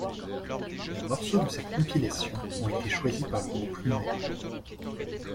Les morceaux de cette compilation ont été choisis par le groupe lui-même.